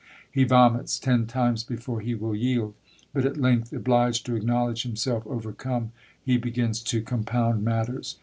He vomits ten times before he will yield; but, at length obliged to acknowledge himself overcome, he begins to compound matters.